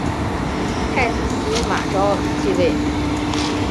太子司马绍即位。